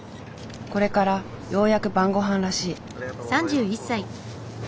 これからようやく晩ごはんらしい。